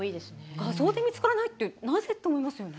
画像で見つからないってなぜ？と思いますよね。